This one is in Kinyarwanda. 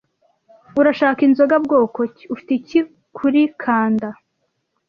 "Urashaka inzoga bwoko ki?" "Ufite iki kuri kanda?"